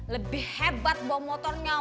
lebih hebat bawa motornya